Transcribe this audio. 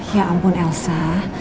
ya ampun elsa